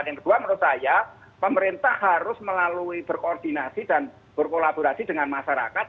yang kedua menurut saya pemerintah harus melalui berkoordinasi dan berkolaborasi dengan masyarakat